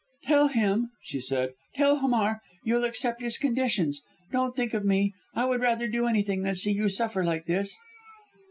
"Tell him," she said, "tell Hamar you'll accept his conditions. Don't think of me! I would rather do anything than see you suffer like this."